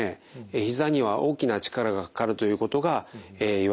ひざには大きな力がかかるということがいわれています。